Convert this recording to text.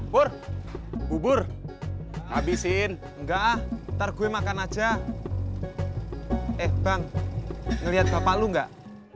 pur bubur habisin enggak ntar gue makan aja eh bang ngeliat bapak lu enggak